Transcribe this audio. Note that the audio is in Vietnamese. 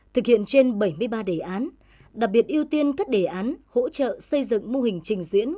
thực hiện trên bảy mươi ba đề án đặc biệt ưu tiên các đề án hỗ trợ xây dựng mô hình trình diễn